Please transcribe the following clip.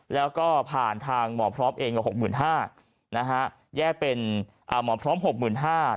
แล้วก็ผ่านทางหมอพร้อมเองกว่า๖๕๐๐นะฮะแยกเป็นหมอพร้อม๖๕๐๐บาท